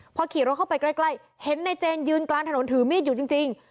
พอขี่รถเข้าไปใกล้เห็นในเจนยืนกลางถนนถือมีดอยู่จริง